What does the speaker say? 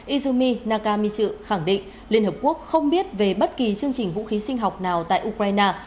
izumi nakamitchu khẳng định liên hợp quốc không biết về bất kỳ chương trình vũ khí sinh học nào tại ukraine